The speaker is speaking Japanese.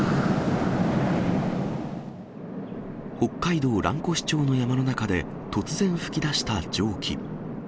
北海道蘭越町の山の中で、突然噴き出した蒸気。